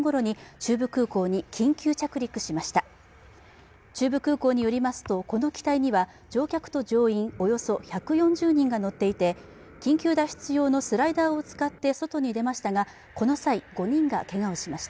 中部空港によりますとこの機体には乗客と乗員およそ１４０人が乗っていて緊急脱出用のスライダーを使って外に出ましたが、この際、５に画けがをしました。